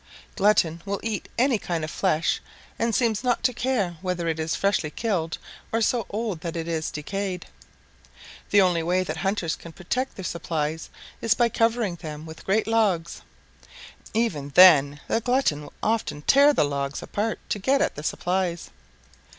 Glutton will eat any kind of flesh and seems not to care whether it be freshly killed or so old that it is decayed. The only way that hunters can protect their supplies is by covering them with great logs. Even then Glutton will often tear the logs apart to get at the supplies.